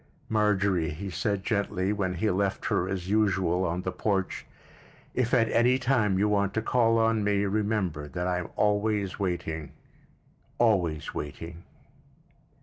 "Marjorie," he said gently, when he left her, as usual, on the porch, "if at any time you want to call on me, remember that I am always waiting, always waiting."